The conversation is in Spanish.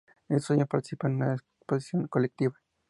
Este años participa en una exposición colectiva.